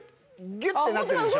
ギュッてなってるでしょ。